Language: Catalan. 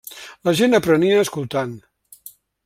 La gent aprenia escoltant.